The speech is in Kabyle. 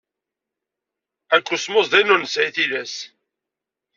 Akosmos d ayen ur nesɛi tilas?